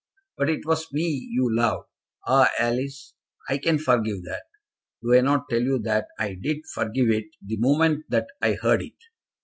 "But it was me you loved. Ah! Alice, I can forgive that. Do I not tell you that I did forgive it the moment that I heard it?